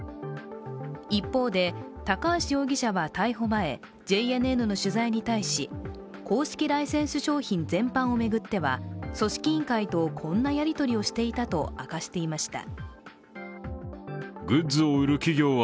一方で、高橋容疑者は逮捕前、ＪＮＮの取材に対し公式ライセンス商品全般を巡っては組織委員会とこんなやり取りをしていたと明かしていました。